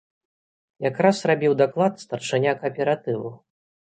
Якраз рабіў даклад старшыня кааператыву.